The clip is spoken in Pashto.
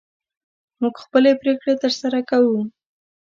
موږ خپلې پرېکړې تر سره کوو.